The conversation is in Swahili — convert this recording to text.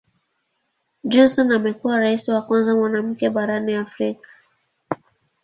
Johnson amekuwa Rais wa kwanza mwanamke barani Afrika.